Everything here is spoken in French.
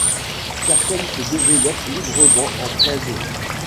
Certaines se développent librement en pleine eau.